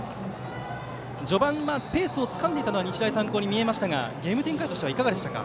序盤はペースをつかんでいたのは日大三高に見えましたがゲーム展開としてはいかがでしたか？